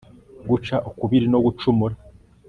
guca ukubiri no gucumura